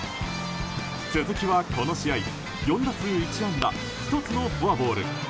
鈴木はこの試合４打数１安打１つのフォアボール。